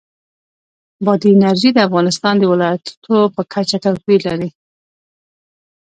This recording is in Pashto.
بادي انرژي د افغانستان د ولایاتو په کچه توپیر لري.